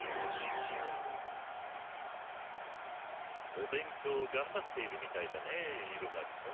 お勉強頑張っているみたいだね入間くん。